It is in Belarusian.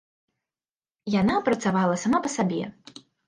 Яна працавала сама па сабе.